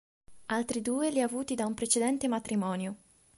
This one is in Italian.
Altri due li ha avuti da un precedente matrimonio.